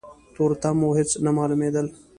تورتم و هيڅ نه مالومېدل.